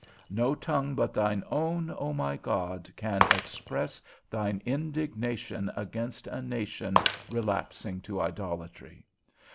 No tongue but thine own, O my God, can express thine indignation against a nation relapsing to idolatry.